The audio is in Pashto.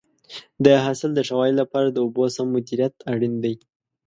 د حاصل د ښه والي لپاره د اوبو سم مدیریت اړین دی.